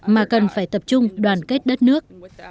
mà cần phải tập trung đoàn kết đất nước